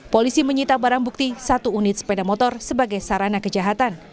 polisi menyita barang bukti satu unit sepeda motor sebagai sarana kejahatan